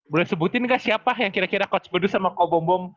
boleh sebutin gak siapa yang kira kira coach bodu sama co bombong